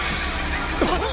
あっ！？